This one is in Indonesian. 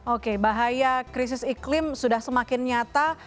oke bahaya krisis iklim sudah semakin nyata